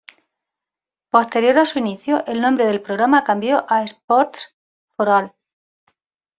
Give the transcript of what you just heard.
Posterior a su inicio, el nombre del programa cambió a "Sports for All".